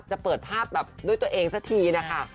จะเปิดภาพแบบด้วยตัวเองสักทีนะคะ